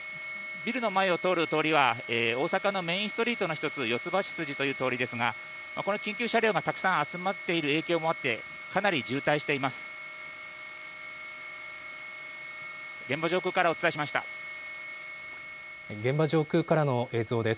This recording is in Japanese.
ビルの前を通る通りは大阪のメインストリートの１つ四つ橋筋という通りですがこの緊急車両がたくさん集まっている影響もあってかなり渋滞しています。